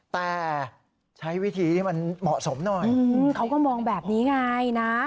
แต่ใช้วิธีที่มันเหมาะสมหน่อยเขาก็มองแบบนี้ไงนะ